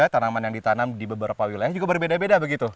tanaman yang ditanam di beberapa wilayah juga berbeda beda begitu